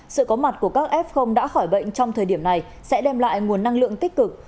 sự có mặt của các f đã khỏi bệnh trong thời điểm này sẽ đem lại nguồn năng lượng tích cực